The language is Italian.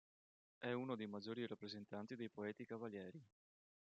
È uno dei maggiori rappresentanti dei poeti cavalieri.